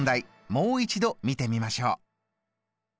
もう一度見てみましょう。